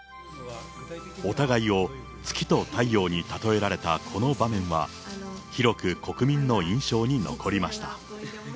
お互いを月と太陽に例えられたこの場面は、広く国民の印象に残りました。